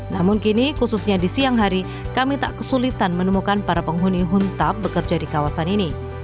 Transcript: namun kini khususnya di siang hari kami tak kesulitan menemukan para penghuni huntap bekerja di kawasan ini